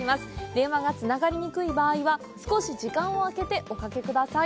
電話がつながりにくい場合は少し時間をあけておかけください。